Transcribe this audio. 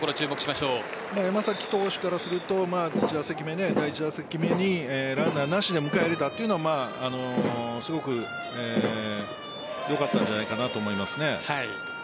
山崎投手からすると第１打席目にランナーなしで迎えられたというのはすごくよかったんじゃないかなと思います。